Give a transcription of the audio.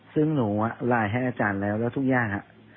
ซึ่งหนูไลน์ให้อาจารย์แล้วแล้วทุกอย่าง